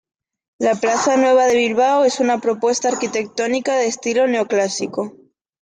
La Plaza Nueva de Bilbao es una propuesta arquitectónica de estilo neoclásico.